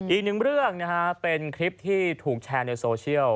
อีกหนึ่งเรื่องนะฮะเป็นคลิปที่ถูกแชร์ในโซเชียล